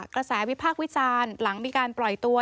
กระแสวิพากษ์วิจารณ์หลังมีการปล่อยตัว